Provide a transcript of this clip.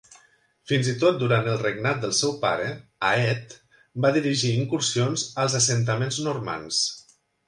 Fins i tot durant el regnat del seu pare, Aedh va dirigir incursions als assentaments normands.